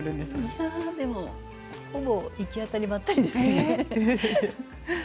いや、でも、ほぼ行き当たりばったりですね。